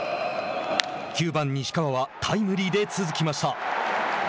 ９番、西川はタイムリーで続きました。